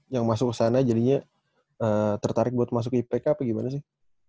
yang masuk ke sana jadinya tertarik buat masuk ke ipk apa gimana sih